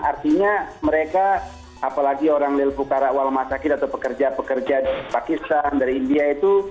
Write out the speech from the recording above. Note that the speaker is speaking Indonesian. artinya mereka apalagi orang lilbukara walmasakit atau pekerja pekerja di pakistan dari india itu